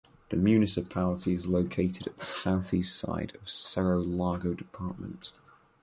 The municipality is located at the south east side of Cerro Largo Department.